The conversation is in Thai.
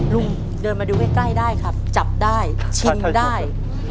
ลุงเดินมาดูใกล้ได้ครับจับได้ชิมได้